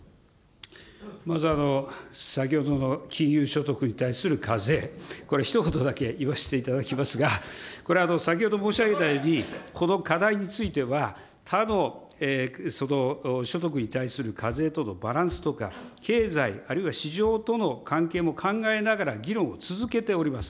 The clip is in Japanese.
まず先ほどの金融所得に対する課税、これひと言だけ言わせていただきますが、これ、先ほど申し上げたように、この課題については、他の所得に対する課税とのバランスとか、経済、あるいは市場との関係も考えながら議論を続けております。